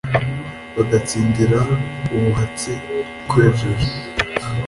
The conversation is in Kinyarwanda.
Bagatsindira ubuhatsi* twejeje,